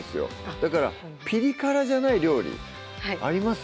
だからピリ辛じゃない料理あります？